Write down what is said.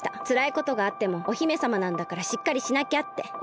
つらいことがあってもお姫さまなんだからしっかりしなきゃって。